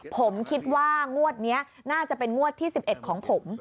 ผมคิดว่างวดนี้น่าจะเป็นงวดที่๑๑ของผม